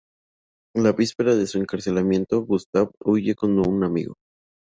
La víspera de su encarcelamiento, Gustav huye con un amigo.